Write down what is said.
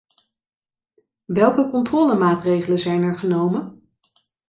Welke controlemaatregelen zijn er genomen?